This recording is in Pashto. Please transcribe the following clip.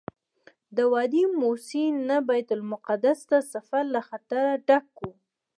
د وادي موسی نه بیت المقدس ته سفر له خطره ډک وو.